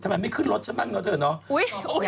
ไม่ขึ้นรถฉันบ้างเนอะเธอเนาะ